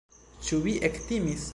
Ĉu vi ektimis?